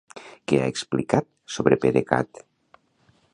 Què ha explicat sobre PDeCAT?